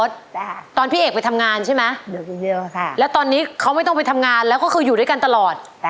ใช่ค่ะตอนพี่เอกไปทำงานใช่ไหมอยู่คนเดียวค่ะแล้วตอนนี้เขาไม่ต้องไปทำงานแล้วก็คืออยู่ด้วยกันตลอด